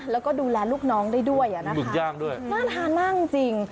แล้วก็ดูแลลูกน้องได้ด้วยอ่ะนะหมึกย่างด้วยน่าทานมากจริง